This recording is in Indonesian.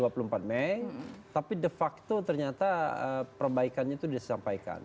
dua puluh empat mei tapi de facto ternyata perbaikannya itu disampaikan